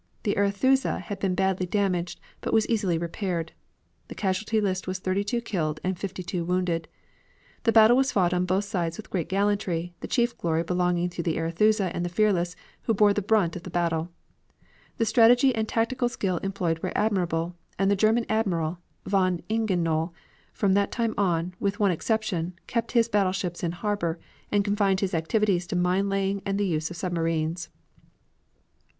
The Arethusa had been badly damaged, but was easily repaired. The casualty list was thirty two killed and fifty two wounded. The battle was fought on both sides with great gallantry, the chief glory belonging to the Arethusa and the Fearless who bore the brunt of the battle. The strategy and tactical skill employed were admirable, and the German admiral, von Ingenohl from that time on, with one exception, kept his battleships in harbor, and confined his activities to mine laying and the use of submarines.